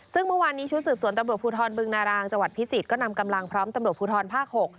ซึ่งเมื่อวานนี้ชุดสืบสวนตำรวจภูทรบึงนารางจังหวัดพิจิตรก็นำกำลังพร้อมตำรวจภูทรภาค๖